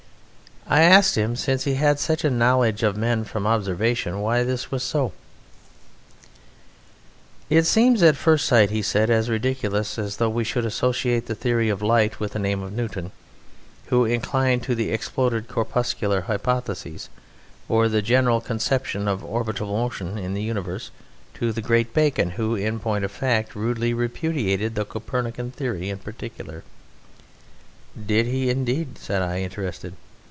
I asked him, since he had such a knowledge of men from observation, why this was so. "It seems at first sight," he said, "as ridiculous as though we should associate the theory of light with the name of Newton, who inclined to the exploded corpuscular hypothesis, or the general conception of orbital motion in the universe to the great Bacon, who, in point of fact, rudely repudiated the Copernican theory in particular." "Did he, indeed?" said I, interested.